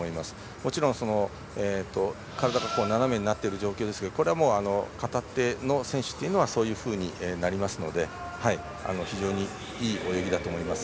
もちろん、体が斜めになっている状況ですがこれは片手の選手はそういうふうになりますので非常に、いい泳ぎだと思います。